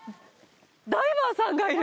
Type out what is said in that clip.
ダイバーさんがいる！